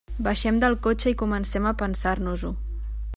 Baixem del cotxe i comencem a pensar-nos-ho.